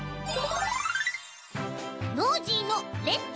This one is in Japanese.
「ノージーのレッツ！